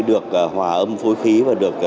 được hòa âm phối khí và được